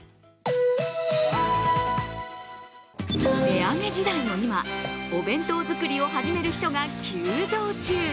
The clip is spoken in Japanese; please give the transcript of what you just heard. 値上げ時代の今お弁当作りを始める人が急増中。